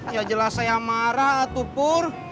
ya jelas saya marah tupur